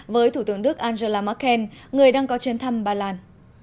với thủ tướng đức angela merkel người đang có chuyến thăm ba lan